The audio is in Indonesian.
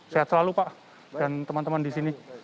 sehat selalu pak dan teman teman di sini